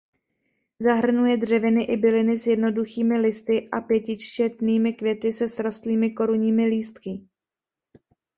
Zahrnuje dřeviny i byliny s jednoduchými listy a pětičetnými květy se srostlými korunními lístky.